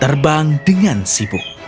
terbang dengan sibuk